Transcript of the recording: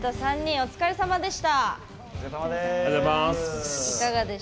お疲れさまです。